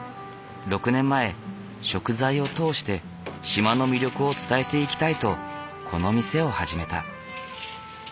６年前食材を通して島の魅力を伝えていきたいとこの店を始めた。